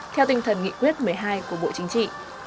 theo tinh thần nghị quyết một mươi hai của bộ chính trị